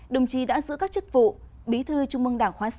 đồng chí đã giữ các chức vụ bí thư trung mương đảng khóa sáu